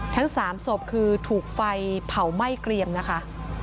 ทั้ง๓ศพคือถูกไฟเผาไหม้เกรียมนะคะ